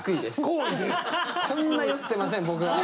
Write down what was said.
こんな酔ってません僕は。